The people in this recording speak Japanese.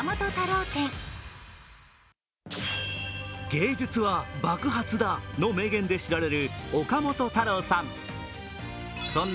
芸術は爆発だの名言で知られる岡本太郎さん。